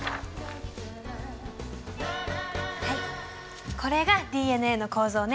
はいこれがＤＮＡの構造ね。